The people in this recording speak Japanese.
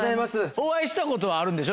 お会いしたことはあるんでしょ？